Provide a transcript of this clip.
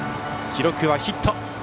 記録はヒット。